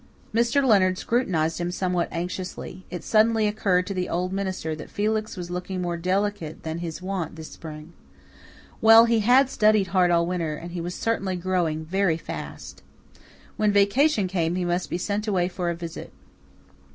Mr. Leonard scrutinized him somewhat anxiously; it suddenly occurred to the old minister that Felix was looking more delicate than his wont this spring. Well, he had studied hard all winter, and he was certainly growing very fast. When vacation came he must be sent away for a visit.